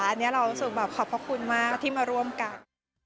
อันนี้เรารู้สึกแบบขอบพระคุณมากที่มาร่วมกัน